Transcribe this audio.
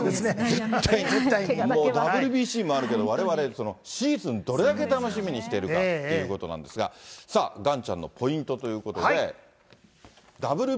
もうＷＢＣもあるけど、われわれ、シーズンどれだけ楽しみにしているかということなんですが、さあ、がんちゃんのポイントということで。